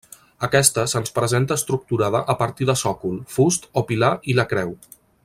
Aquesta se'ns presenta estructurada a partir de sòcol, fust o pilar i la creu.